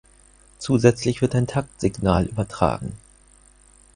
Zusätzlich wird ein Taktsignal übertragen.